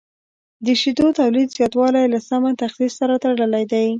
د شیدو تولید زیاتوالی له سمه تغذیې سره تړلی دی.